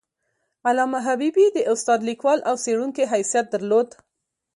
علامه حبیبي د استاد، لیکوال او څیړونکي حیثیت درلود.